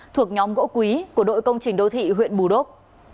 thuộc nhóm gỗ quý của đội công trình đô thị huyện bù đốc